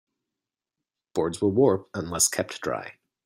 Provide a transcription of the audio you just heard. Boards will warp unless kept dry.